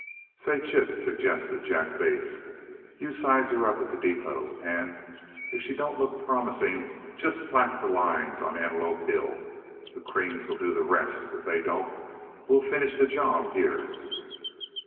"Say, Chip," suggested Jack Bates, "you size her up at the depot, and, if she don't look promising, just slack the lines on Antelope Hill. The creams 'll do the rest. If they don't, we'll finish the job here."